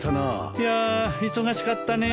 いや忙しかったね。